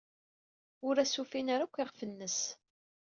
Ur as-ufin ara akk iɣef-nnes.